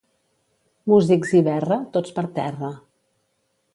Músics i verra, tots per terra.